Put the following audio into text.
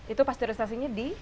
itu pasturisasinya di